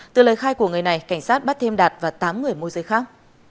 từ lời khai của người này cảnh sát bắt thêm đạt và tám người môi giới khác